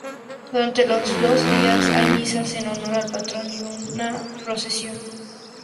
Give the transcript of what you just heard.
Durante los dos días hay misas en honor al patrón y una procesión.